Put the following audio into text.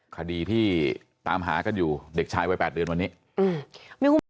คดีที่ตามหากันอยู่เด็กชายวัย๘เดือนวันนี้อืม